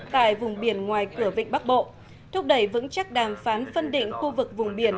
tại vùng biển ngoài cửa vịnh bắc bộ thúc đẩy vững chắc đàm phán phân định khu vực vùng biển